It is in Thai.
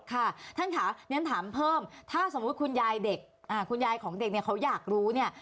ค่ะท่านค่ะเรียนถามเพิ่มถ้าสมมุติคุณยายเด็กคุณยายของเด็กเนี่ยเขาอยากรู้เนี่ย